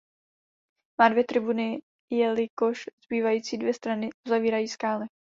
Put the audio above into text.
Má dvě tribuny jelikož zbývající dvě strany uzavírají skály.